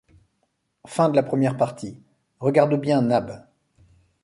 fin de la première partie « Regarde bien, Nab.